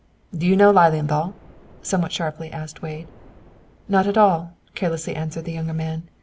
"Do you know Lilienthal?" somewhat sharply asked Wade. "Not at all," carelessly answered the younger man.